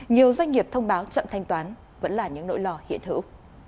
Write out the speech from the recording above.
nhiều doanh nghiệp thông báo chậm thanh toán vẫn là những nỗi lo hiện hữu